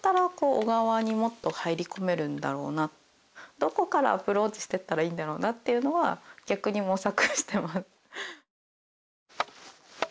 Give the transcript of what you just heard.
どこからアプローチしてったらいいんだろうなっていうのは逆に模索してます。